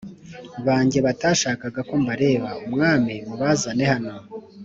banjye batashakaga ko mbabera umwami mubazane hano